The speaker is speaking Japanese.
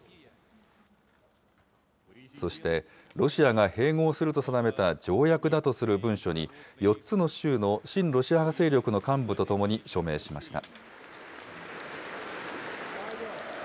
そして、ロシアが併合すると定めた条約だとする文書に、４つの州の親ロシア派勢力の幹部と共に署名しました。